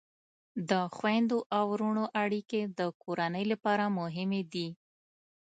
د خویندو او ورونو اړیکې د کورنۍ لپاره مهمې دي.